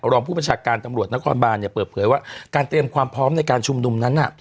รองผู้บัญชาการตำรวจนครบานเนี่ยเปิดเผยว่าการเตรียมความพร้อมในการชุมนุมนั้นน่ะ